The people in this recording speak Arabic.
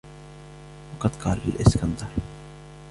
وَقَدْ قَالَ الْإِسْكَنْدَرُ